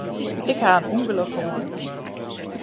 Ik ha in ûngelok hân.